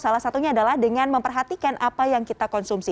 salah satunya adalah dengan memperhatikan apa yang kita konsumsi